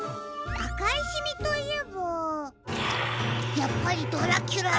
あかいシミといえばやっぱりドラキュラだ！